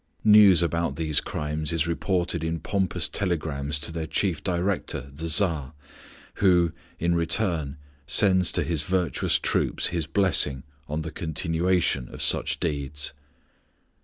News about these crimes is reported in pompous telegrams to their chief director, the Tsar, who, in return, sends to his virtuous troops his blessing on the continuation of such deeds.